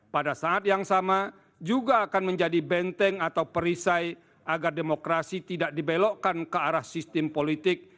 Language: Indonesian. pada saat yang sama juga akan menjadi benteng atau perisai agar demokrasi tidak dibelokkan ke arah sistem politik